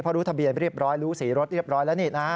เพราะรู้ทะเบียนเรียบร้อยรู้สีรถเรียบร้อยแล้วนี่นะ